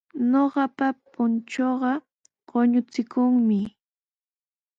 Ñuqapa punchuuqa quñuuchikunmi.